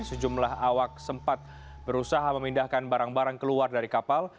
sejumlah awak sempat berusaha memindahkan barang barang keluar dari kapal